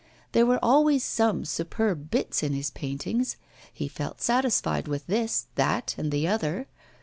There were always some superb bits in his paintings. He felt satisfied with this, that, and the other.